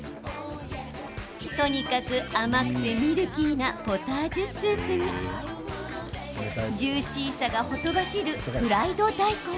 とにかく甘くてミルキーなポタージュスープにジューシーさがほとばしるフライド大根。